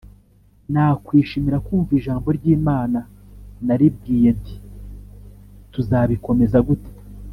nakwishimira kumva Ijambo ry Imana Naribwiye nti tuzabikomeza gute